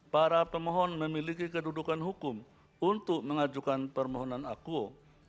para pemohon memiliki kedudukan hukum untuk mengajukan permohonan akuo